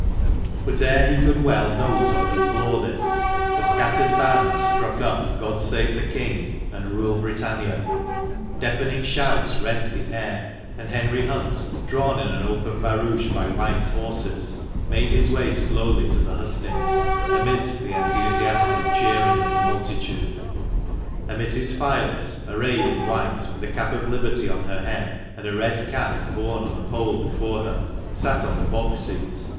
But ere he could well note or deplore this, the scattered bands struck up " God Save the King," and " Rule, Britannia," deafening shouts rent the air, and Henry Hunt, drawn in an open barouche by white horses, made his way slowly to the hustings amidst the enthusiastic cheering of the multitude. A Mrs. Fildes, arrayed in white, with a cap of liberty on her head, and a red cap borne on a pole before her, sat on the box seat.